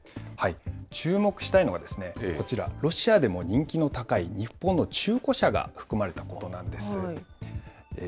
注目したいのがこちら、ロシアでも人気の高い日本の中古車が含まれたことなんです。